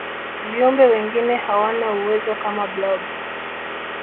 viumbe wengine hawana uwezo kama blob